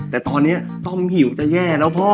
แต่ตอนนี้ต้อมหิวจะแย่แล้วพ่อ